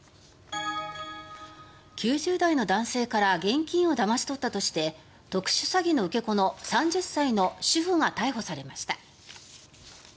９０代の男性から現金をだまし取ったとして特殊詐欺の受け子の３０歳の主婦が逮捕されました。